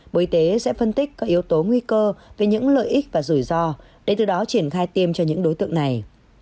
bộ y tế sẽ phân tích các yếu tố nguy cơ về những lợi ích và rủi ro để từ đó triển khai tiêm cho những đối tượng này